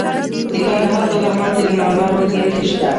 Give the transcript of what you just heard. د کندهار په دامان کې د مرمرو نښې شته.